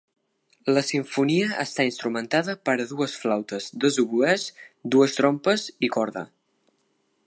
La simfonia està instrumentada per a dues flautes, dos oboès, dues trompes i corda.